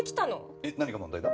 えっ何が問題だ？